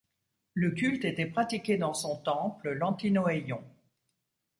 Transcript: Le culte était pratiqué dans son temple, l'Antinoéion.